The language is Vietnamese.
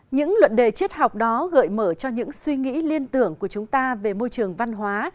những luận đề triết học đó gợi mở cho những suy nghĩ liên tưởng của chúng ta về môi trường văn hóa